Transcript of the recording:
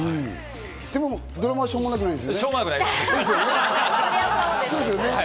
でも、ドラマはしょうもなくないです。